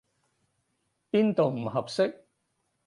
邊度唔合適？